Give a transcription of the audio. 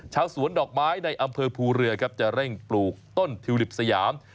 ชาวสวนดอกไม้ในอำเภอภูเรือครับจะเร่งปลูกต้นทิวลิปสยาม